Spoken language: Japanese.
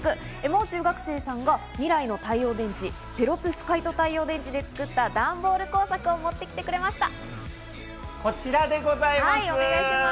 もう中学生さんが、未来の太陽電池、ペロブスカイト太陽電池で作った段ボール工作を持ってきてくれました。